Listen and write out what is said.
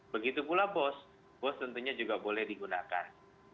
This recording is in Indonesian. begitu pula bos bos tentunya juga boleh digunakan